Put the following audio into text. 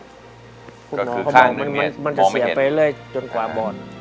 คุณหมอเขาบอกมันจะเสียไปเรื่อยจนกว่าบอด